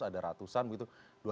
ada ratusan begitu